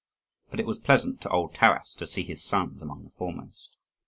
But it was pleasant to old Taras to see his sons among the foremost.